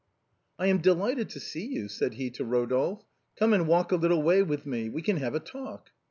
*" I am delighted to see you," said he to Rodolphe, " come and walk a little way with me ; we can have a talk."